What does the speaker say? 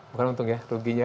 bukan untung ya ruginya